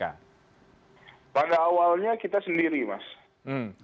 ya pada awalnya kita sendiri mas